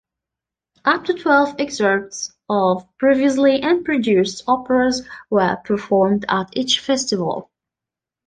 Up to twelve excerpts of previously un-produced operas were performed at each festival.